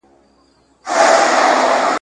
یو ځل بیا له خپل دښمنه په امان سو ,